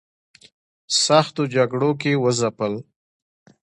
سختو جګړو کې وځپل.